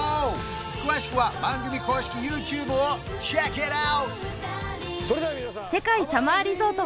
詳しくは番組公式ＹｏｕＴｕｂｅをｃｈｅｃｋｉｔｏｕｔ！